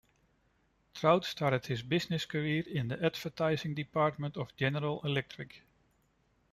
Trout started his business career in the advertising department of General Electric.